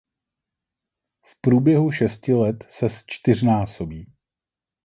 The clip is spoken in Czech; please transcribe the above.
V průběhu šesti let se zčtyřnásobí.